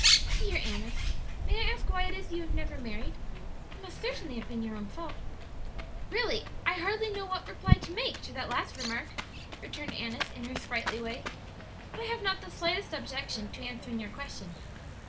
"Dear Annis, may I ask why it is you have never married? It must certainly have been your own fault." "Really, I hardly know what reply to make to that last remark," returned Annis, in her sprightly way. "But I have not the slightest objection to answering your question.